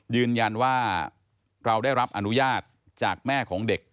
ยืนยันว่าเราได้รับอนุญาตจากแม่ของเด็ก